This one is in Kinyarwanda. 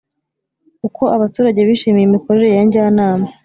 Uko abaturage bishimiye imikorere ya njyanama